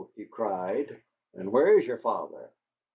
he cried. "And where is your father?"